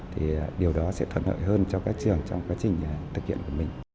thì điều đó sẽ thuận lợi hơn cho các trường trong quá trình thực hiện của mình